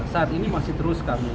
saat ini masih terus kami